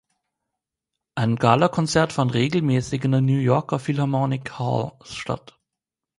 Ein Galakonzert fand regelmäßig in der New Yorker Philharmonic Hall statt.